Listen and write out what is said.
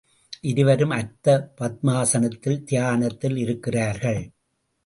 இருவரும் அர்த்த பத்மாசனத்தில் தியானத்தில் இருக்கிறார்கள்.